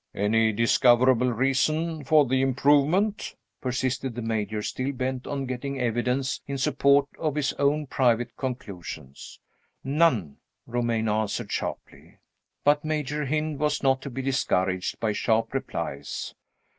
"Any discoverable reason for the improvement?" persisted the Major, still bent on getting evidence in support of his own private conclusions. "None!" Romayne answered sharply. But Major Hynd was not to be discouraged by sharp replies.